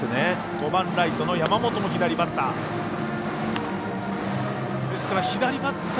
５番ライトの山本も左バッター。